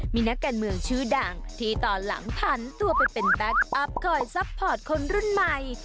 เพื่อซัพพอร์ตคนรุ่นใหม่